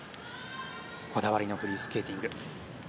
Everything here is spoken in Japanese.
こだわりのフリースケーティング。